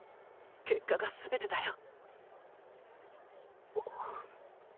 結果がすべてだよ。